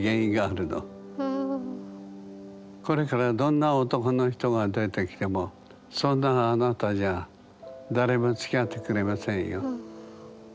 これからどんな男の人が出てきてもそんなあなたじゃ誰もつきあってくれませんよ。